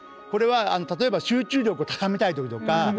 これは例えば集中力を高めたい時とか。